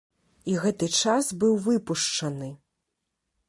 І гэты час быў выпушчаны.